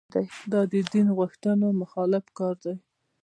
دا د دین غوښتنو مخالف کار دی.